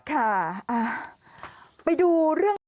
ค่ะไปดูเรื่อง